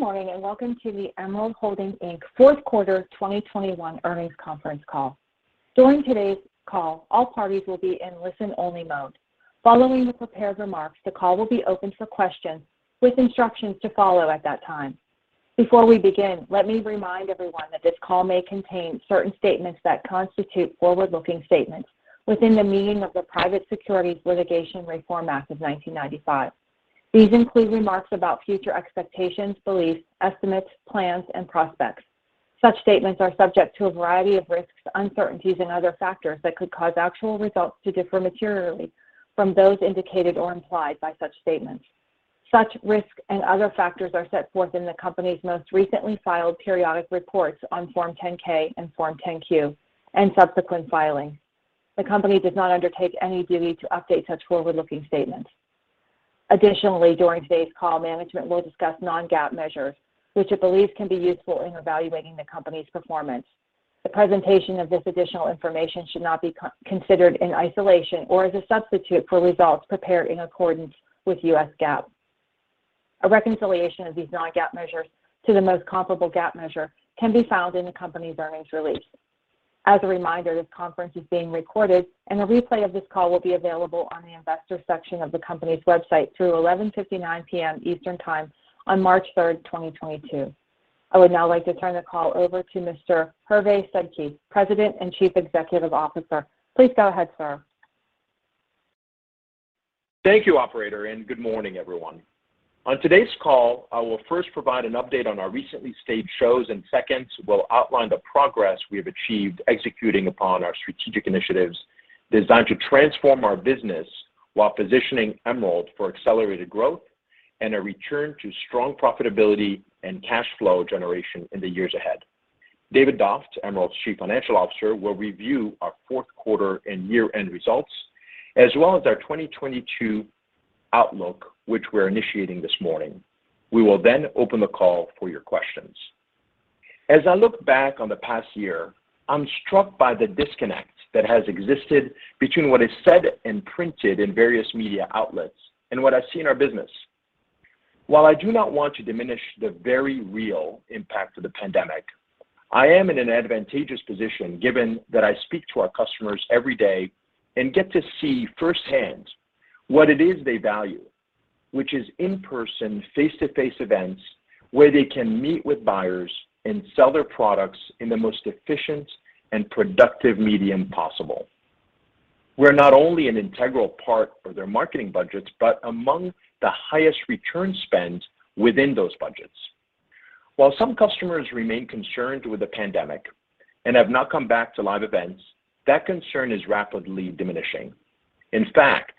Good morning, and welcome to the Emerald Holding, Inc fourth quarter 2021 earnings conference call. During today's call, all parties will be in listen-only mode. Following the prepared remarks, the call will be opened for questions with instructions to follow at that time. Before we begin, let me remind everyone that this call may contain certain statements that constitute forward-looking statements within the meaning of the Private Securities Litigation Reform Act of 1995. These include remarks about future expectations, beliefs, estimates, plans, and prospects. Such statements are subject to a variety of risks, uncertainties, and other factors that could cause actual results to differ materially from those indicated or implied by such statements. Such risks and other factors are set forth in the company's most recently filed periodic reports on Form 10-K and Form 10-Q and subsequent filings. The company does not undertake any duty to update such forward-looking statements. Additionally, during today's call, management will discuss non-GAAP measures which it believes can be useful in evaluating the company's performance. The presentation of this additional information should not be considered in isolation or as a substitute for results prepared in accordance with U.S. GAAP. A reconciliation of these non-GAAP measures to the most comparable GAAP measure can be found in the company's earnings release. As a reminder, this conference is being recorded and a replay of this call will be available on the Investors section of the company's website through 11:59 P.M. Eastern Time on March 3rd, 2022. I would now like to turn the call over to Mr. Hervé Sedky, President and Chief Executive Officer. Please go ahead, sir. Thank you, operator, and good morning, everyone. On today's call, I will first provide an update on our recently staged shows, and second, will outline the progress we have achieved executing upon our strategic initiatives designed to transform our business while positioning Emerald for accelerated growth and a return to strong profitability and cash flow generation in the years ahead. David Doft, Emerald's Chief Financial Officer, will review our fourth quarter and year-end results, as well as our 2022 outlook, which we're initiating this morning. We will then open the call for your questions. As I look back on the past year, I'm struck by the disconnect that has existed between what is said and printed in various media outlets and what I see in our business. While I do not want to diminish the very real impact of the pandemic, I am in an advantageous position given that I speak to our customers every day and get to see firsthand what it is they value, which is in-person, face-to-face events where they can meet with buyers and sell their products in the most efficient and productive medium possible. We're not only an integral part of their marketing budgets, but among the highest return spend within those budgets. While some customers remain concerned with the pandemic and have not come back to live events, that concern is rapidly diminishing. In fact,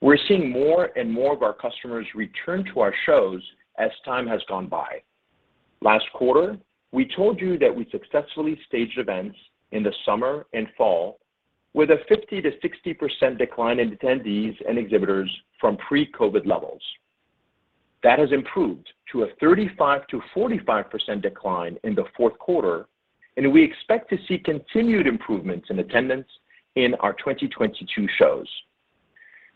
we're seeing more and more of our customers return to our shows as time has gone by. Last quarter, we told you that we successfully staged events in the summer and fall with a 50%-60% decline in attendees and exhibitors from pre-COVID levels. That has improved to a 35%-45% decline in the fourth quarter, and we expect to see continued improvements in attendance in our 2022 shows.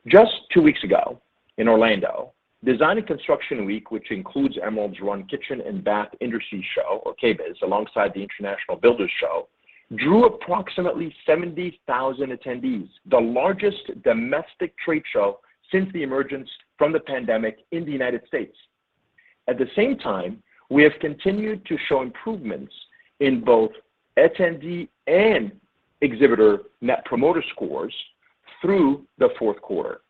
Just two weeks ago in Orlando, Design and Construction Week, which includes Emerald run Kitchen & Bath Industry Show or KBIS, alongside the International Builders' Show, drew approximately 70,000 attendees, the largest domestic trade show since the emergence from the pandemic in the United States. At the same time, we have continued to show improvements in both attendee and exhibitor Net Promoter Scores through the fourth quarter.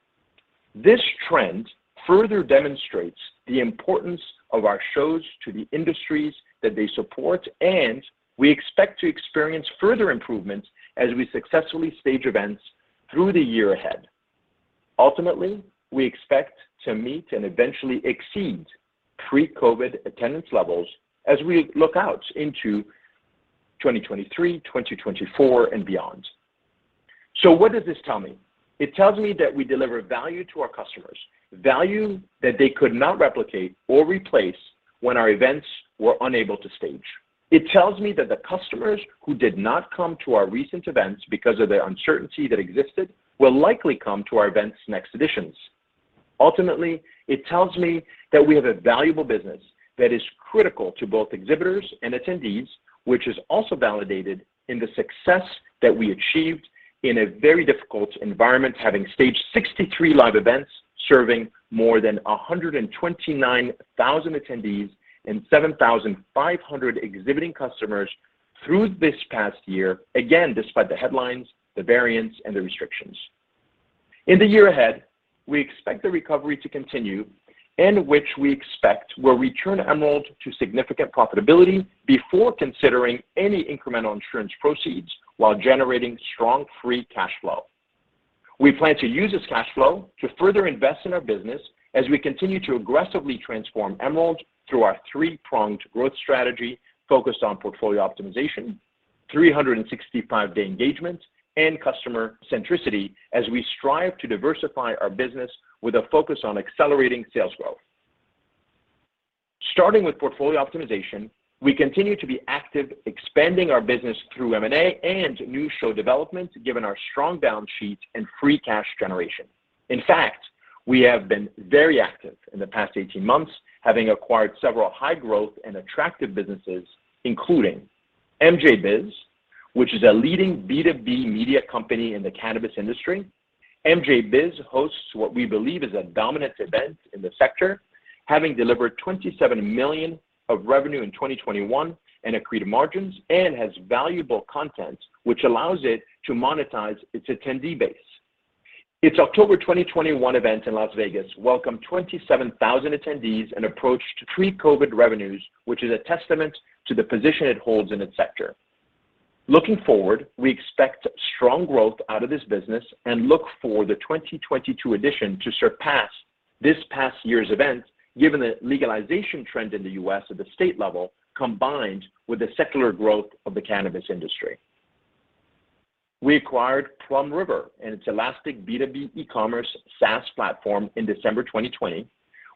This trend further demonstrates the importance of our shows to the industries that they support, and we expect to experience further improvements as we successfully stage events through the year ahead. Ultimately, we expect to meet and eventually exceed pre-COVID attendance levels as we look out into 2023, 2024, and beyond. What does this tell me? It tells me that we deliver value to our customers, value that they could not replicate or replace when our events were unable to stage. It tells me that the customers who did not come to our recent events because of the uncertainty that existed will likely come to our events' next editions. Ultimately, it tells me that we have a valuable business that is critical to both exhibitors and attendees, which is also validated in the success that we achieved in a very difficult environment, having staged 63 live events, serving more than 129,000 attendees and 7,500 exhibiting customers through this past year, again, despite the headlines, the variants, and the restrictions. In the year ahead, we expect the recovery to continue in which we expect will return Emerald to significant profitability before considering any incremental insurance proceeds while generating strong free cash flow. We plan to use this cash flow to further invest in our business as we continue to aggressively transform Emerald through our three-pronged growth strategy focused on portfolio optimization, 365-day engagement, and customer centricity as we strive to diversify our business with a focus on accelerating sales growth. Starting with portfolio optimization, we continue to be active, expanding our business through M&A and new show developments given our strong balance sheet and free cash generation. In fact, we have been very active in the past 18 months, having acquired several high-growth and attractive businesses, including MJBiz, which is a leading B2B media company in the cannabis industry. MJBiz hosts what we believe is a dominant event in the sector, having delivered $27 million of revenue in 2021 and accretive margins, and has valuable content which allows it to monetize its attendee base. Its October 2021 event in Las Vegas welcomed 27,000 attendees and approached pre-COVID revenues, which is a testament to the position it holds in its sector. Looking forward, we expect strong growth out of this business and look for the 2022 edition to surpass this past year's event, given the legalization trend in the U.S. at the state level, combined with the secular growth of the cannabis industry. We acquired PlumRiver and its Elastic Suite B2B e-commerce SaaS platform in December 2020,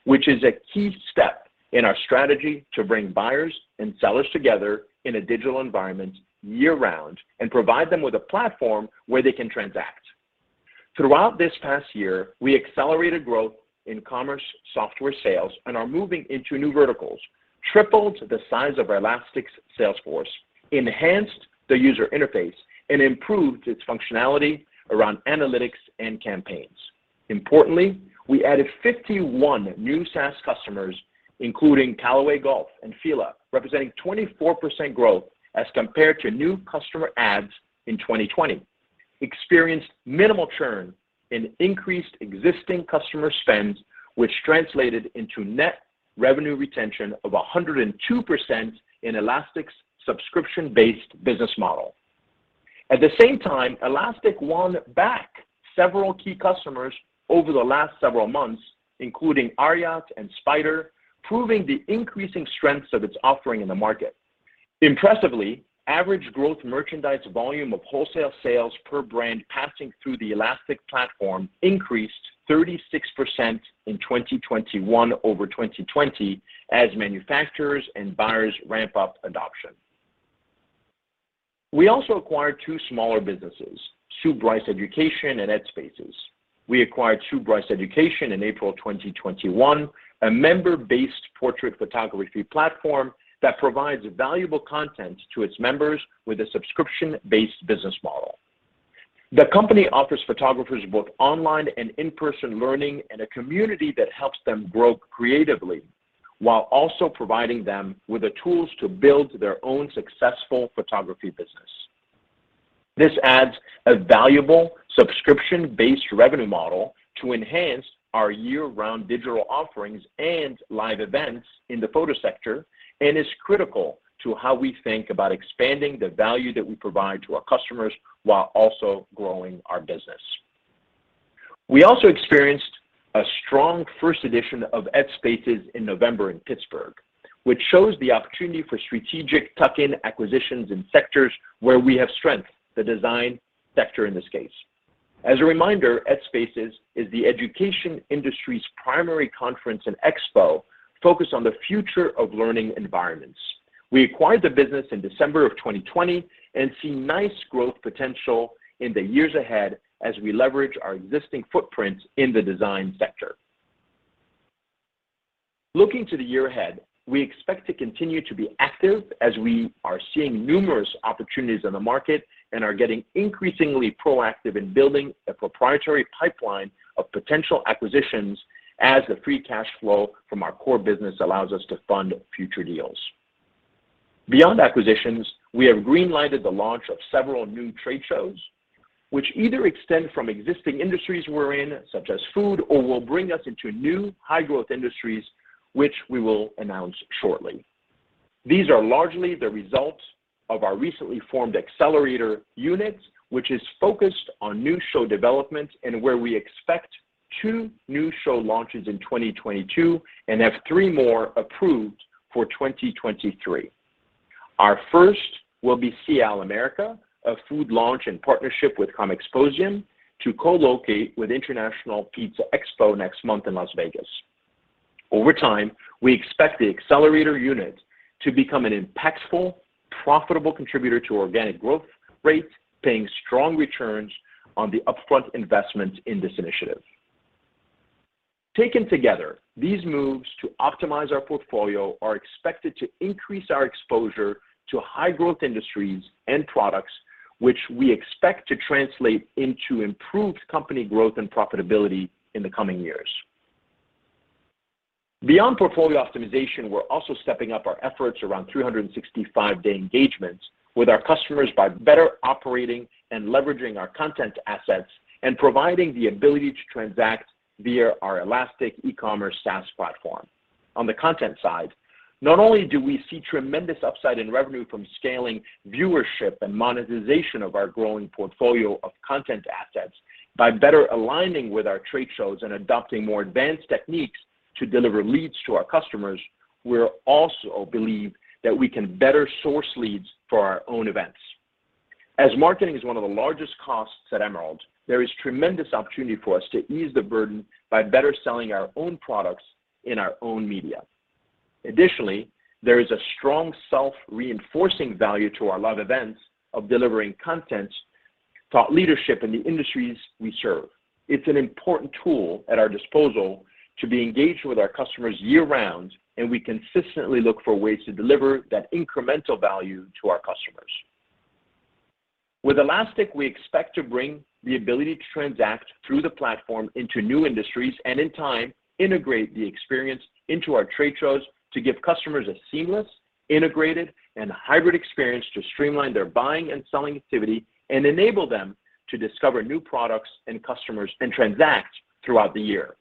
which is a key step in our strategy to bring buyers and sellers together in a digital environment year-round and provide them with a platform where they can transact. Throughout this past year, we accelerated growth in commerce software sales and are moving into new verticals, tripled the size of our Elastic sales force, enhanced the user interface, and improved its functionality around analytics and campaigns. Importantly, we added 51 new SaaS customers, including Callaway Golf and FILA, representing 24% growth as compared to new customer adds in 2020, experienced minimal churn and increased existing customer spends, which translated into net revenue retention of 102% in Elastic's subscription-based business model. At the same time, Elastic won back several key customers over the last several months, including Ariat and Spyder, proving the increasing strengths of its offering in the market. Impressively, average gross merchandise volume of wholesale sales per brand passing through the Elastic platform increased 36% in 2021 over 2020 as manufacturers and buyers ramp up adoption. We also acquired two smaller businesses, Sue Bryce Education and EDspaces. We acquired Sue Bryce Education in April 2021, a member-based portrait photography platform that provides valuable content to its members with a subscription-based business model. The company offers photographers both online and in-person learning and a community that helps them grow creatively while also providing them with the tools to build their own successful photography business. This adds a valuable subscription-based revenue model to enhance our year-round digital offerings and live events in the photo sector and is critical to how we think about expanding the value that we provide to our customers while also growing our business. We also experienced a strong first edition of EDspaces in November in Pittsburgh, which shows the opportunity for strategic tuck-in acquisitions in sectors where we have strength, the design sector in this case. As a reminder, EDspaces is the education industry's primary conference and expo focused on the future of learning environments. We acquired the business in December of 2020 and see nice growth potential in the years ahead as we leverage our existing footprint in the design sector. Looking to the year ahead, we expect to continue to be active as we are seeing numerous opportunities in the market and are getting increasingly proactive in building a proprietary pipeline of potential acquisitions, as the free cash flow from our core business allows us to fund future deals. Beyond acquisitions, we have green-lighted the launch of several new trade shows which either extend from existing industries we're in, such as food, or will bring us into new high growth industries which we will announce shortly. These are largely the result of our recently formed accelerator unit, which is focused on new show development and where we expect two new show launches in 2022 and have three more approved for 2023. Our first will be SIAL America, a food launch in partnership with Comexposium to co-locate with International Pizza Expo next month in Las Vegas. Over time, we expect the accelerator unit to become an impactful, profitable contributor to organic growth rates, paying strong returns on the upfront investment in this initiative. Taken together, these moves to optimize our portfolio are expected to increase our exposure to high-growth industries and products which we expect to translate into improved company growth and profitability in the coming years. Beyond portfolio optimization, we're also stepping up our efforts around 365-day engagements with our customers by better operating and leveraging our content assets and providing the ability to transact via our Elastic Suite e-commerce SaaS platform. On the content side, not only do we see tremendous upside in revenue from scaling viewership and monetization of our growing portfolio of content assets by better aligning with our trade shows and adopting more advanced techniques to deliver leads to our customers, we also believe that we can better source leads for our own events. As marketing is one of the largest costs at Emerald, there is tremendous opportunity for us to ease the burden by better selling our own products in our own media. Additionally, there is a strong self-reinforcing value to our live events of delivering content thought leadership in the industries we serve. It's an important tool at our disposal to be engaged with our customers year-round, and we consistently look for ways to deliver that incremental value to our customers. With Elastic, we expect to bring the ability to transact through the platform into new industries and in time integrate the experience into our trade shows to give customers a seamless, integrated, and hybrid experience to streamline their buying and selling activity and enable them to discover new products and customers and transact throughout the year.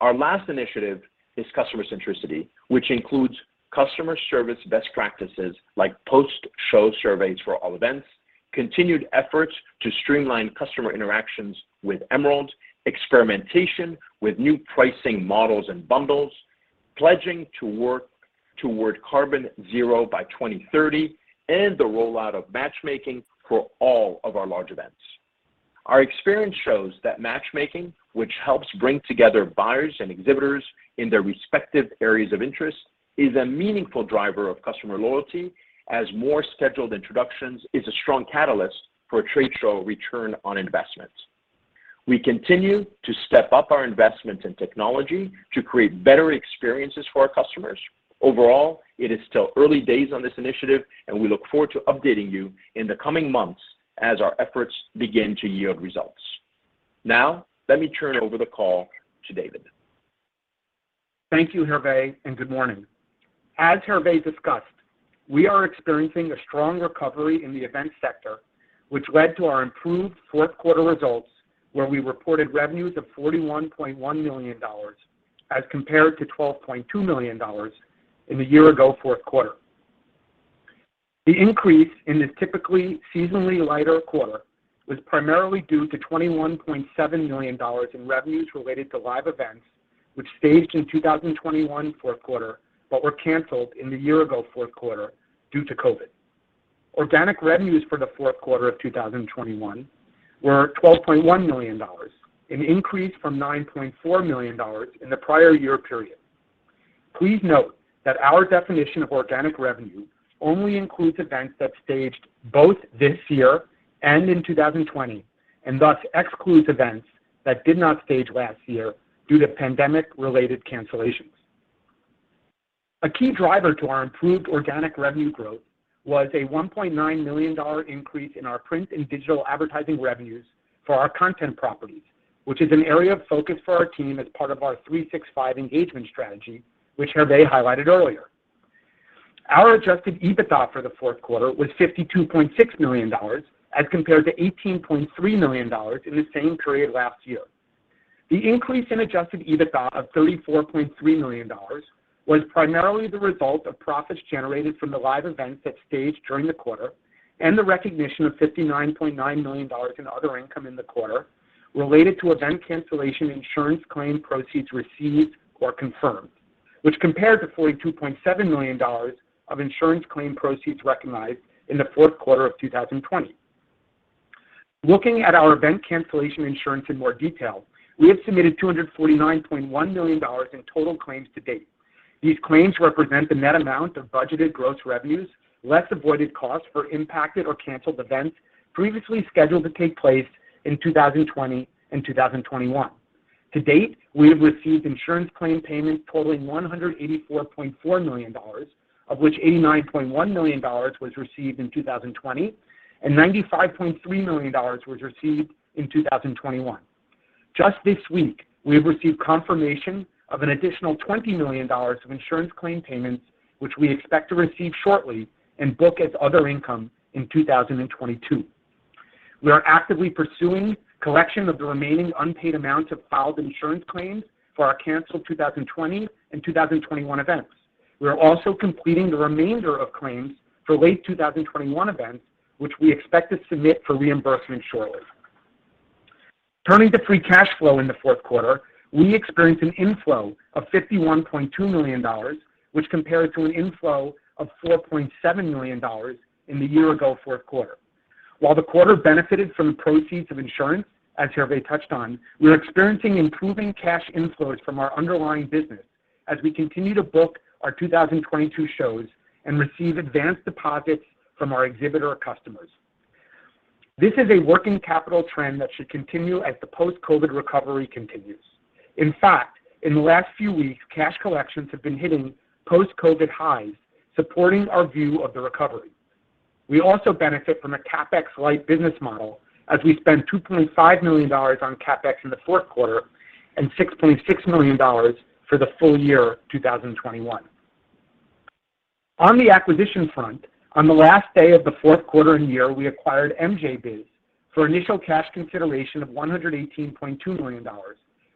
Our last initiative is customer centricity, which includes customer service best practices like post-show surveys for all events, continued efforts to streamline customer interactions with Emerald, experimentation with new pricing models and bundles, pledging to work toward carbon zero by 2030, and the rollout of matchmaking for all of our large events. Our experience shows that matchmaking, which helps bring together buyers and exhibitors in their respective areas of interest, is a meaningful driver of customer loyalty as more scheduled introductions is a strong catalyst for a trade show return on investment. We continue to step up our investment in technology to create better experiences for our customers. Overall, it is still early days on this initiative, and we look forward to updating you in the coming months as our efforts begin to yield results. Now, let me turn over the call to David. Thank you, Hervé, and good morning. As Hervé discussed, we are experiencing a strong recovery in the event sector, which led to our improved fourth quarter results, where we reported revenues of $41.1 million as compared to $12.2 million in the year-ago fourth quarter. The increase in this typically seasonally lighter quarter was primarily due to $21.7 million in revenues related to live events, which staged in 2021 fourth quarter but were canceled in the year-ago fourth quarter due to COVID. Organic revenues for the fourth quarter of 2021 were $12.1 million, an increase from $9.4 million in the prior year period. Please note that our definition of organic revenue only includes events that staged both this year and in 2020 and thus excludes events that did not stage last year due to pandemic-related cancellations. A key driver to our improved organic revenue growth was a $1.9 million increase in our print and digital advertising revenues for our content properties, which is an area of focus for our team as part of our 365 engagement strategy, which Hervé highlighted earlier. Our Adjusted EBITDA for the fourth quarter was $52.6 million as compared to $18.3 million in the same period last year. The increase in Adjusted EBITDA of $34.3 million was primarily the result of profits generated from the live events that staged during the quarter and the recognition of $59.9 million in other income in the quarter related to event cancellation insurance claim proceeds received or confirmed, which compared to $42.7 million of insurance claim proceeds recognized in the fourth quarter of 2020. Looking at our event cancellation insurance in more detail, we have submitted $249.1 million in total claims to date. These claims represent the net amount of budgeted gross revenues less avoided costs for impacted or canceled events previously scheduled to take place in 2020 and 2021. To date, we have received insurance claim payments totaling $184.4 million, of which $89.1 million was received in 2020 and $95.3 million was received in 2021. Just this week, we have received confirmation of an additional $20 million of insurance claim payments, which we expect to receive shortly and book as other income in 2022. We are actively pursuing collection of the remaining unpaid amounts of filed insurance claims for our canceled 2020 and 2021 events. We are also completing the remainder of claims for late 2021 events, which we expect to submit for reimbursement shortly. Turning to free cash flow in the fourth quarter, we experienced an inflow of $51.2 million, which compared to an inflow of $4.7 million in the year-ago fourth quarter. While the quarter benefited from the proceeds of insurance, as Hervé touched on, we are experiencing improving cash inflows from our underlying business as we continue to book our 2022 shows and receive advanced deposits from our exhibitor customers. This is a working capital trend that should continue as the post-COVID recovery continues. In fact, in the last few weeks, cash collections have been hitting post-COVID highs, supporting our view of the recovery. We also benefit from a CapEx-light business model as we spend $2.5 million on CapEx in the fourth quarter and $6.6 million for the full year 2021. On the acquisition front, on the last day of the fourth quarter and year, we acquired MJBiz for initial cash consideration of $118.2 million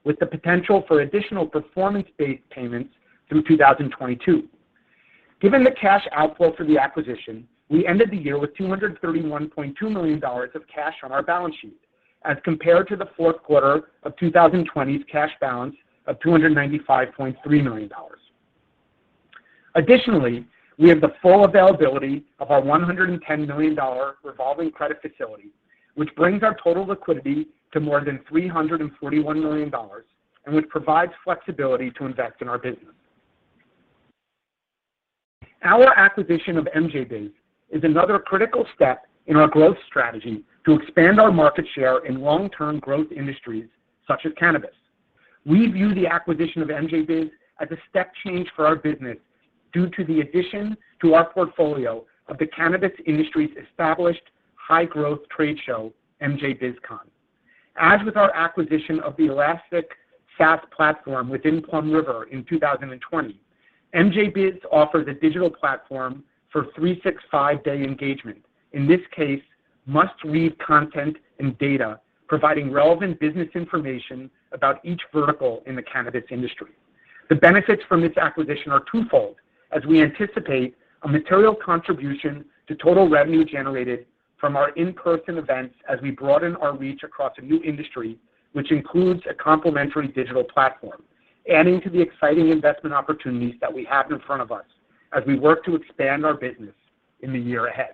with the potential for additional performance-based payments through 2022. Given the cash outflow for the acquisition, we ended the year with $231.2 million of cash on our balance sheet as compared to the fourth quarter of 2020's cash balance of $295.3 million. Additionally, we have the full availability of our $110 million revolving credit facility, which brings our total liquidity to more than $341 million and which provides flexibility to invest in our business. Our acquisition of MJBiz is another critical step in our growth strategy to expand our market share in long-term growth industries such as cannabis. We view the acquisition of MJBiz as a step change for our business due to the addition to our portfolio of the cannabis industry's established high-growth trade show, MJBizCon. As with our acquisition of the Elastic SaaS platform within PlumRiver in 2020, MJBiz offers a digital platform for 365-day engagement, in this case, must-read content and data providing relevant business information about each vertical in the cannabis industry. The benefits from this acquisition are twofold as we anticipate a material contribution to total revenue generated from our in-person events as we broaden our reach across a new industry, which includes a complementary digital platform, adding to the exciting investment opportunities that we have in front of us as we work to expand our business in the year ahead.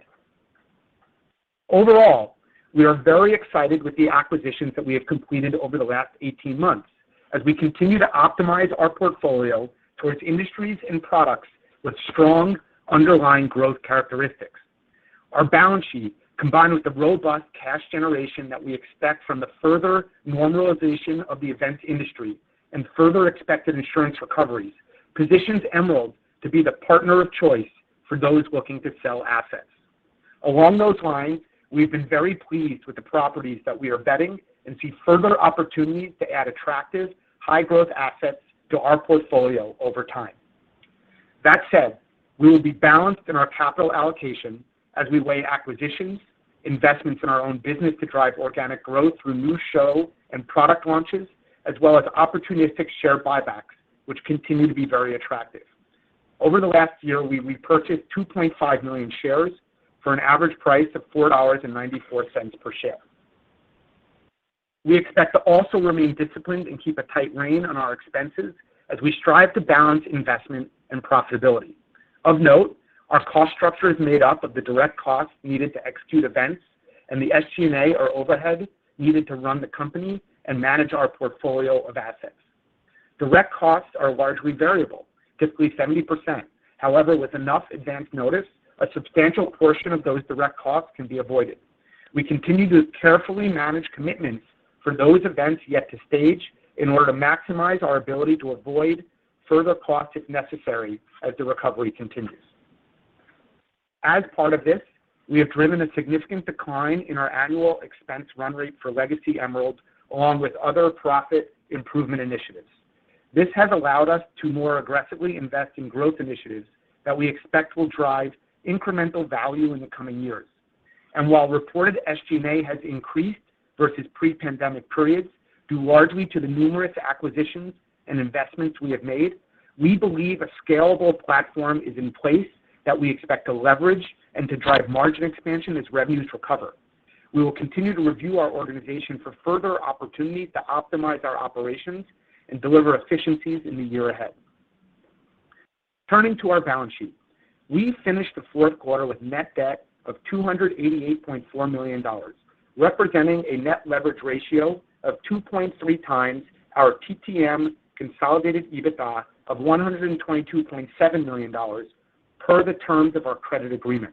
Overall, we are very excited with the acquisitions that we have completed over the last 18 months as we continue to optimize our portfolio towards industries and products with strong underlying growth characteristics. Our balance sheet, combined with the robust cash generation that we expect from the further normalization of the events industry and further expected insurance recoveries, positions Emerald to be the partner of choice for those looking to sell assets. Along those lines, we've been very pleased with the properties that we are vetting and see further opportunities to add attractive, high-growth assets to our portfolio over time. That said, we will be balanced in our capital allocation as we weigh acquisitions, investments in our own business to drive organic growth through new show and product launches, as well as opportunistic share buybacks, which continue to be very attractive. Over the last year, we repurchased 2.5 million shares for an average price of $4.94 per share. We expect to also remain disciplined and keep a tight rein on our expenses as we strive to balance investment and profitability. Of note, our cost structure is made up of the direct costs needed to execute events and the SG&A or overhead needed to run the company and manage our portfolio of assets. Direct costs are largely variable, typically 70%. However, with enough advance notice, a substantial portion of those direct costs can be avoided. We continue to carefully manage commitments for those events yet to stage in order to maximize our ability to avoid further costs if necessary as the recovery continues. As part of this, we have driven a significant decline in our annual expense run rate for Legacy Emerald, along with other profit improvement initiatives. This has allowed us to more aggressively invest in growth initiatives that we expect will drive incremental value in the coming years. While reported SG&A has increased versus pre-pandemic periods due largely to the numerous acquisitions and investments we have made, we believe a scalable platform is in place that we expect to leverage and to drive margin expansion as revenues recover. We will continue to review our organization for further opportunities to optimize our operations and deliver efficiencies in the year ahead. Turning to our balance sheet. We finished the fourth quarter with net debt of $288.4 million, representing a net leverage ratio of 2.3x our TTM consolidated EBITDA of $122.7 million per the terms of our credit agreement.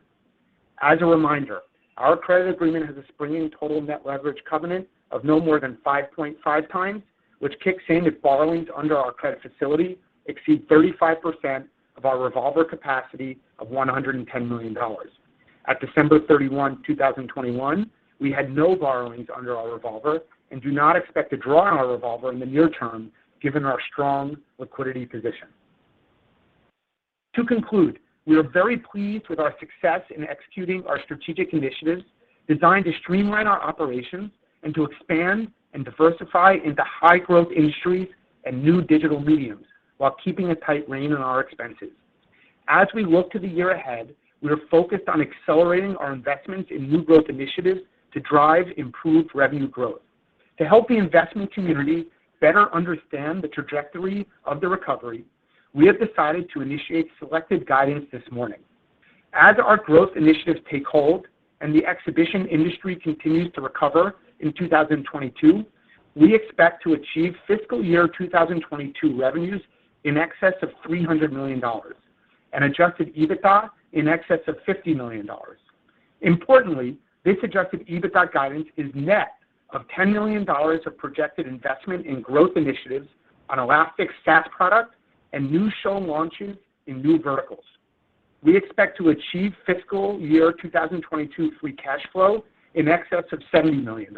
As a reminder, our credit agreement has a springing total net leverage covenant of no more than 5.5x, which kicks in if borrowings under our credit facility exceed 35% of our revolver capacity of $110 million. At December 31, 2021, we had no borrowings under our revolver and do not expect to draw on our revolver in the near term given our strong liquidity position. To conclude, we are very pleased with our success in executing our strategic initiatives designed to streamline our operations and to expand and diversify into high-growth industries and new digital mediums while keeping a tight rein on our expenses. As we look to the year ahead, we are focused on accelerating our investments in new growth initiatives to drive improved revenue growth. To help the investment community better understand the trajectory of the recovery, we have decided to initiate selected guidance this morning. As our growth initiatives take hold and the exhibition industry continues to recover in 2022, we expect to achieve fiscal year 2022 revenues in excess of $300 million and Adjusted EBITDA in excess of $50 million. Importantly, this Adjusted EBITDA guidance is net of $10 million of projected investment in growth initiatives on Elastic's SaaS product and new show launches in new verticals. We expect to achieve fiscal year 2022 free cash flow in excess of $70 million.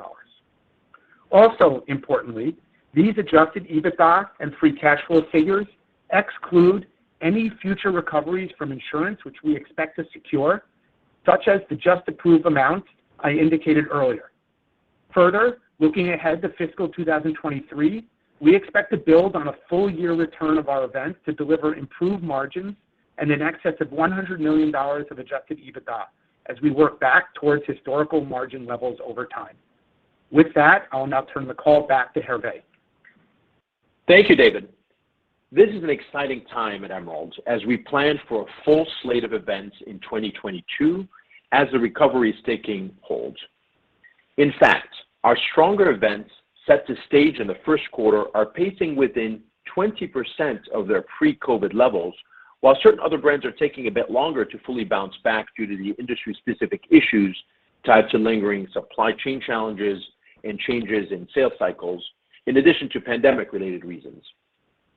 Also importantly, these Adjusted EBITDA and free cash flow figures exclude any future recoveries from insurance, which we expect to secure, such as the just approved amount I indicated earlier. Further, looking ahead to fiscal 2023, we expect to build on a full year return of our events to deliver improved margins and in excess of $100 million of Adjusted EBITDA as we work back towards historical margin levels over time. With that, I'll now turn the call back to Hervé. Thank you, David. This is an exciting time at Emerald as we plan for a full slate of events in 2022 as the recovery is taking hold. In fact, our stronger events set to stage in the first quarter are pacing within 20% of their pre-COVID levels, while certain other brands are taking a bit longer to fully bounce back due to the industry-specific issues tied to lingering supply chain challenges and changes in sales cycles, in addition to pandemic-related reasons.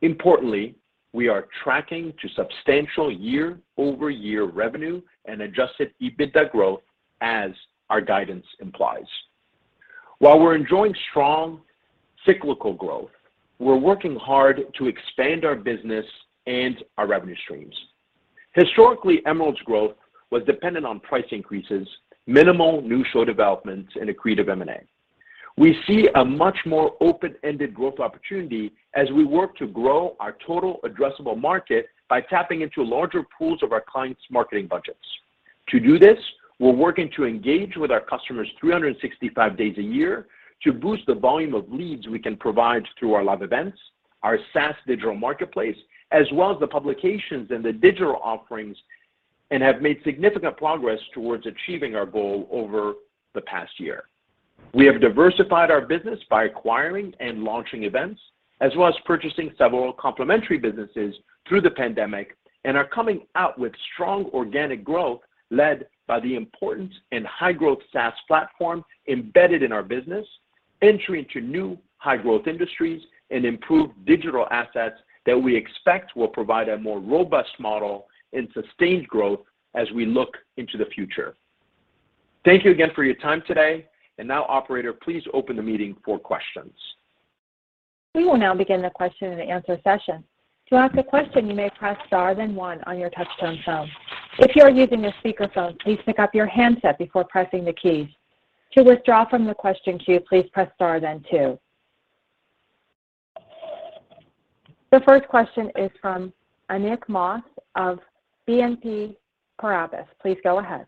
Importantly, we are tracking to substantial year-over-year revenue and Adjusted EBITDA growth as our guidance implies. While we're enjoying strong cyclical growth, we're working hard to expand our business and our revenue streams. Historically, Emerald's growth was dependent on price increases, minimal new show developments, and accretive M&A. We see a much more open-ended growth opportunity as we work to grow our total addressable market by tapping into larger pools of our clients' marketing budgets. To do this, we're working to engage with our customers 365 days a year to boost the volume of leads we can provide through our live events, our SaaS digital marketplace, as well as the publications and the digital offerings, and have made significant progress towards achieving our goal over the past year. We have diversified our business by acquiring and launching events, as well as purchasing several complementary businesses through the pandemic, and are coming out with strong organic growth led by the important and high-growth SaaS platform embedded in our business, entry into new high-growth industries, and improved digital assets that we expect will provide a more robust model and sustained growth as we look into the future. Thank you again for your time today. Now, operator, please open the meeting for questions. We will now begin the question-and-answer session. To ask a question you may press star then one on your touch-tone phone. If you are using a speaker phone, please pick up your handset before pressing the keys. To withdraw from the question queue, please press star then two. The first question is from [Anik Moss of BNP Paribas]. Please go ahead.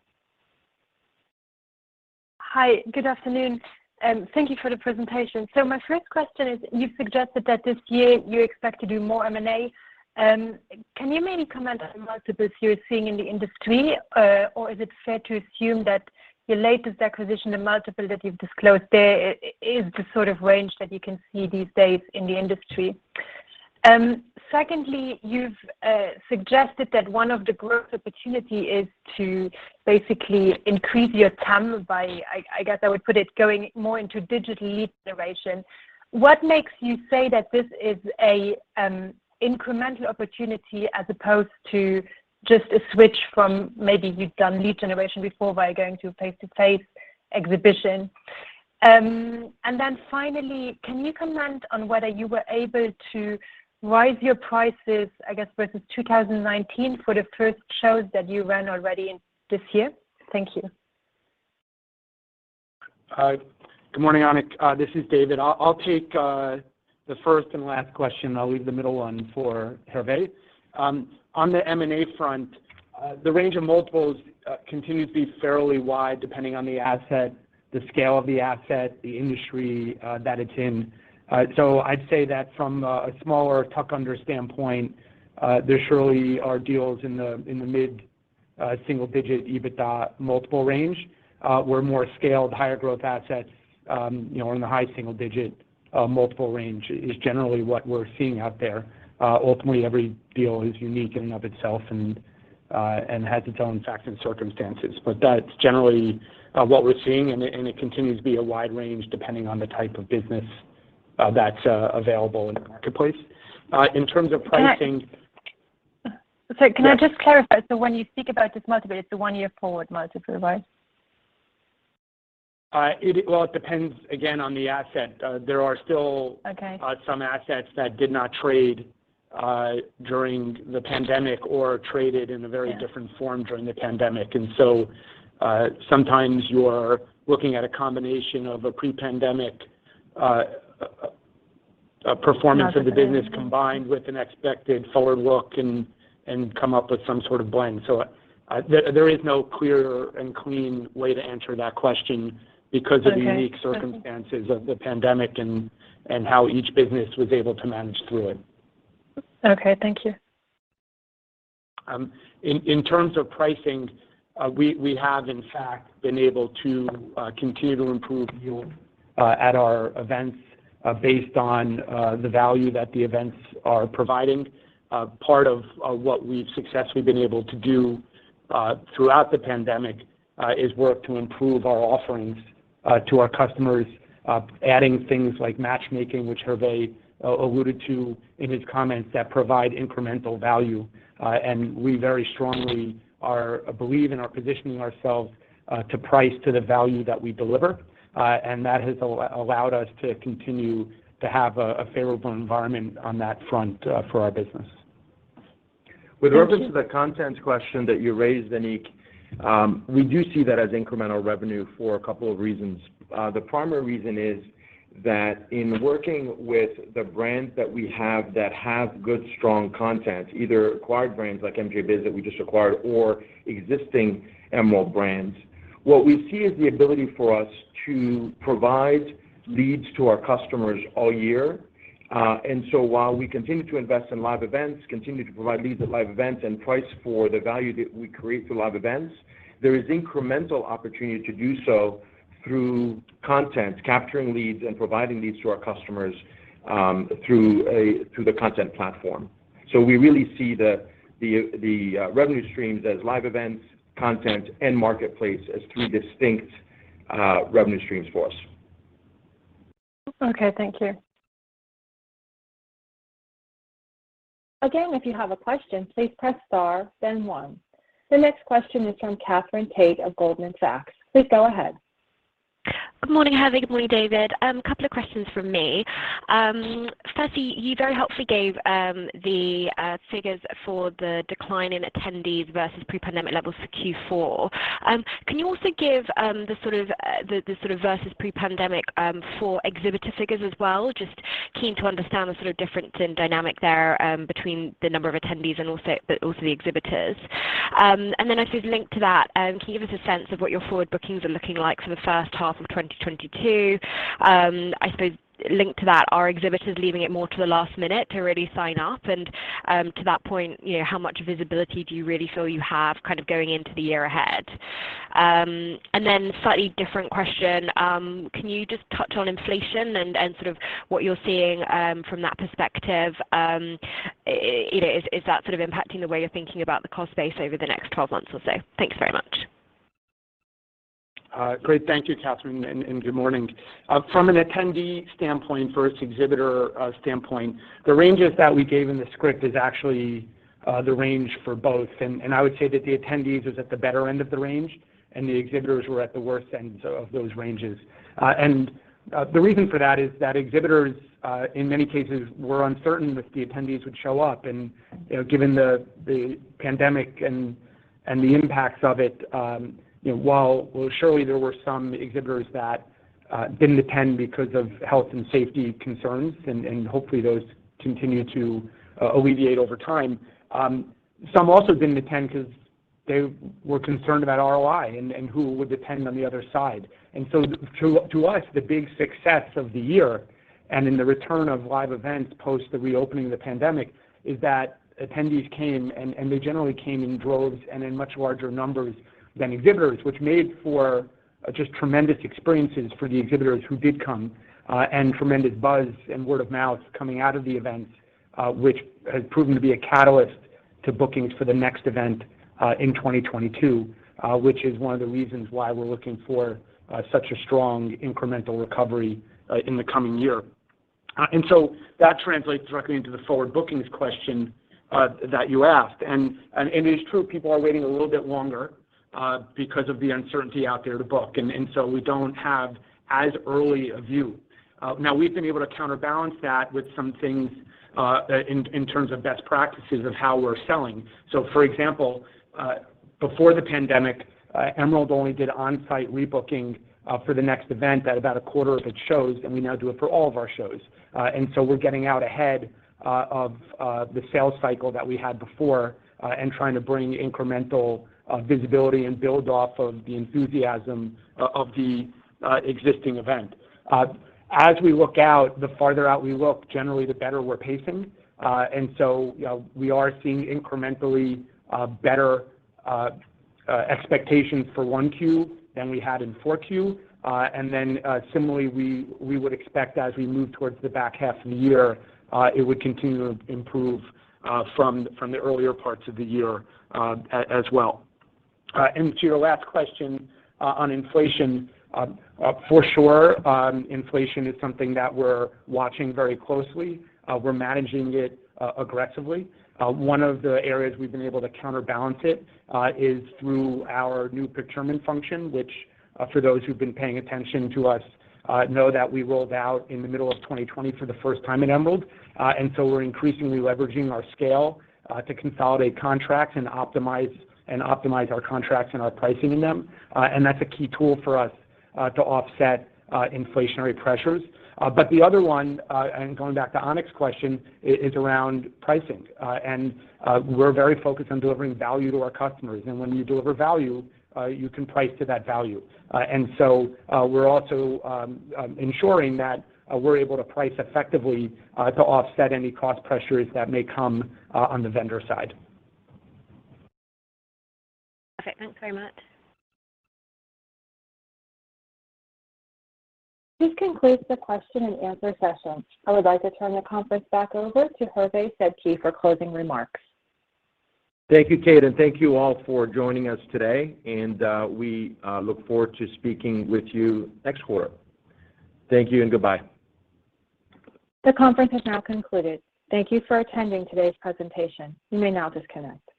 Hi. Good afternoon, and thank you for the presentation. My first question is, you've suggested that this year you expect to do more M&A. Can you maybe comment on the multiples you're seeing in the industry? Or is it fair to assume that your latest acquisition, the multiple that you've disclosed there is the sort of range that you can see these days in the industry? Secondly, you've suggested that one of the growth opportunity is to basically increase your TAM by, I guess, I would put it, going more into digital lead generation. What makes you say that this is a incremental opportunity as opposed to just a switch from maybe you've done lead generation before by going to face-to-face exhibition? Finally, can you comment on whether you were able to raise your prices, I guess, versus 2019 for the first shows that you ran already this year? Thank you. Hi. Good morning, [Anik]. This is David. I'll take the first and last question. I'll leave the middle one for Hervé. On the M&A front, the range of multiples continues to be fairly wide, depending on the asset, the scale of the asset, the industry that it's in. I'd say that from a smaller tuck-in standpoint, there surely are deals in the mid single-digit EBITDA multiple range, where more scaled higher growth assets, you know, are in the high single-digit multiple range, is generally what we're seeing out there. Ultimately, every deal is unique in and of itself and has its own facts and circumstances. That's generally what we're seeing and it continues to be a wide range depending on the type of business that's available in the marketplace. In terms of pricing- Sorry. Yeah. Can I just clarify? When you speak about this multiple, it's a one-year forward multiple, right? Well, it depends again, on the asset. There are still some assets that did not trade during the pandemic or traded in a very different form during the pandemic. Okay. Yeah. Sometimes you're looking at a combination of a pre-pandemic performance of the business combined with an expected forward look and come up with some sort of blend. There is no clear and clean way to answer that question because of the unique circumstances of the pandemic and how each business was able to manage through it. Okay. Thank you. In terms of pricing, we have in fact been able to continue to improve yield at our events based on the value that the events are providing. Part of what we've successfully been able to do throughout the pandemic is work to improve our offerings to our customers, adding things like matchmaking, which Hervé alluded to in his comments, that provide incremental value. We very strongly believe in positioning ourselves to price to the value that we deliver. That has allowed us to continue to have a favorable environment on that front for our business. Thank you. With regards to the content question that you raised, [Anik], we do see that as incremental revenue for a couple of reasons. The primary reason is that in working with the brands that we have that have good, strong content, either acquired brands like MJBiz that we just acquired or existing Emerald brands What we see is the ability for us to provide leads to our customers all year. While we continue to invest in live events, continue to provide leads at live events, and price for the value that we create through live events, there is incremental opportunity to do so through content, capturing leads, and providing leads to our customers, through the content platform. We really see the revenue streams as live events, content, and marketplace as three distinct revenue streams for us. Okay, thank you. Again, if you have a question, please press star then one. The next question is from Katherine Tait of Goldman Sachs. Please go ahead. Good morning, Hervé. Good morning, David. A couple of questions from me. Firstly, you very helpfully gave the tickets for the decline in attendees versus pre-pandemic levels Q4. Can you also give the sort of versus pre-pandemic for exhibitor figures as well? Just keen to understand the sort of difference in dynamic there between the number of attendees and also the exhibitors. Then I suppose linked to that, can you give us a sense of what your forward bookings are looking like for the first half of 2022? I suppose linked to that, are exhibitors leaving it more to the last minute to really sign up? To that point, you know, how much visibility do you really feel you have kind of going into the year ahead? Slightly different question, can you just touch on inflation and sort of what you're seeing from that perspective? You know, is that sort of impacting the way you're thinking about the cost base over the next 12 months or so? Thanks very much. Great. Thank you, Katherine, and good morning. From an attendee standpoint versus exhibitor standpoint, the ranges that we gave in the script is actually the range for both. I would say that the attendees was at the better end of the range, and the exhibitors were at the worst end of those ranges. The reason for that is that exhibitors in many cases were uncertain if the attendees would show up. You know, given the pandemic and the impacts of it, you know, while surely there were some exhibitors that didn't attend because of health and safety concerns, and hopefully those continue to alleviate over time, some also didn't attend because they were concerned about ROI and who would attend on the other side. To us, the big success of the year and in the return of live events post the reopening of the pandemic is that attendees came, and they generally came in droves and in much larger numbers than exhibitors, which made for just tremendous experiences for the exhibitors who did come, and tremendous buzz and word of mouth coming out of the events, which has proven to be a catalyst to bookings for the next event in 2022, which is one of the reasons why we're looking for such a strong incremental recovery in the coming year. That translates directly into the forward bookings question that you asked. It is true people are waiting a little bit longer because of the uncertainty out there to book. We don't have as early a view. Now we've been able to counterbalance that with some things in terms of best practices of how we're selling. For example, before the pandemic, Emerald only did on-site rebooking for the next event at about a quarter of its shows, and we now do it for all of our shows. We're getting out ahead of the sales cycle that we had before, and trying to bring incremental visibility and build off of the enthusiasm of the existing event. As we look out, the farther out we look, generally, the better we're pacing. You know, we are seeing incrementally better expectations for 1Q than we had in 4Q. Similarly, we would expect as we move towards the back half of the year, it would continue to improve from the earlier parts of the year, as well. To your last question, on inflation, for sure, inflation is something that we're watching very closely. We're managing it aggressively. One of the areas we've been able to counterbalance it is through our new procurement function, which, for those who've been paying attention to us, know that we rolled out in the middle of 2020 for the first time at Emerald. We're increasingly leveraging our scale to consolidate contracts and optimize our contracts and our pricing in them. That's a key tool for us to offset inflationary pressures. The other one, going back to [Anik's] question, is around pricing. We're very focused on delivering value to our customers. When you deliver value, you can price to that value. We're also ensuring that we're able to price effectively to offset any cost pressures that may come on the vendor side. Okay. Thanks very much. This concludes the question-and-answer session. I would like to turn the conference back over to Hervé for closing remarks. Thank you, Kate, and thank you all for joining us today, and we look forward to speaking with you next quarter. Thank you and goodbye. The conference is now concluded. Thank you for attending today's presentation. You may now disconnect.